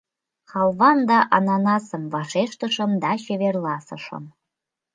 — Халвам да ананасым, — вашештышым да чеверласышым.